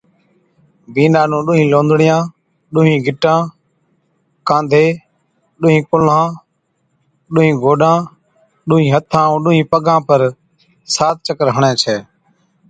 بِينڏا نُون ڏونھِين لوندڙِيان، ڏونھِين گِٽان، ڏونھِين ڪانڌان، ڏونھِين ڪُلھان، ڏونھِين گوڏان، ڏونھِين ھٿان ائُون ڏونھِين پَگان پر سات چڪر ھَڻي ڇَي